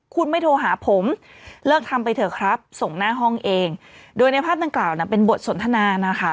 คุณไม่โทรหาผมเลิกทำไปเถอะครับส่งหน้าห้องเองโดยในภาพดังกล่าวน่ะเป็นบทสนทนานะคะ